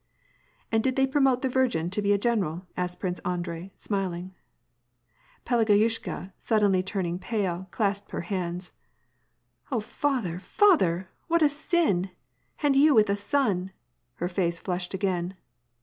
*" And did they promote the Virgin to be a general ?" asked Prince Andrei, smiling. Pelageyushka suddenly turned pale and clasped her hands. " Oh, father, father ! What a sin ! And you with a son !" Her face flushed again.